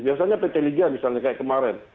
biasanya pt liga misalnya kayak kemarin